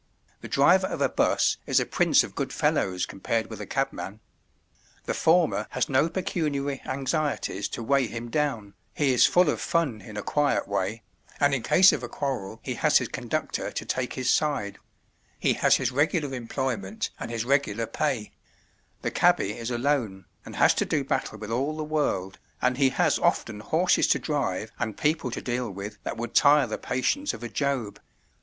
The driver of a buss is a prince of good fellows compared with a cabman. The former has no pecuniary anxieties to weigh him down, he is full of fun in a quiet way, and in case of a quarrel he has his conductor to take his side—he has his regular employment and his regular pay; the cabby is alone, and has to do battle with all the world, and he has often horses to drive and people to deal with that would tire the patience of a Job.